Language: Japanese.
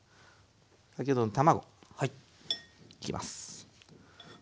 先ほどの卵いきます。